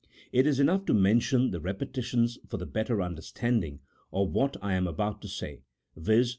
It is enough to mention the repetition for the better understanding of what I am about to say — viz.